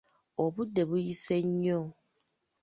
Obudde buyise nnyo.